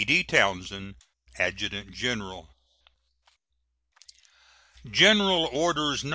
D. TOWNSEND, Adjutant General. GENERAL ORDERS, No.